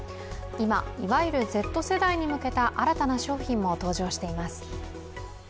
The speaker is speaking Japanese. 今、いわゆるＺ世代に向けた新たな商品も登場しています。